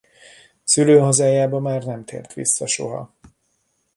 Szülőhazájába már nem tért vissza soha.